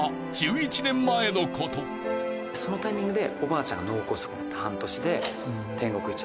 そのタイミングで。